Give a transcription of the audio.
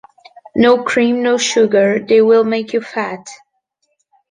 No cream, no sugar; they will make you fat.